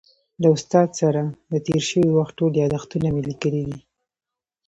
له استاد سره د تېر شوي وخت ټول یادښتونه مې لیکلي دي.